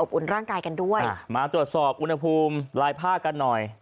อุ่นร่างกายกันด้วยมาตรวจสอบอุณหภูมิลายผ้ากันหน่อย